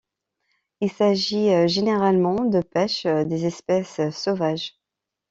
Il s'agit généralement de pêche des espèces sauvages.